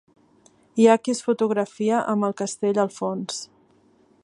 Hi ha qui es fotografia amb el castell al fons.